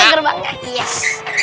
oke gerbang kaki yes